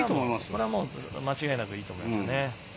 間違いなくいいと思いますね。